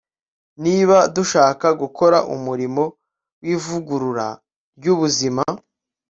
Niba dushaka gukora umurimo wivugurura ryubuzima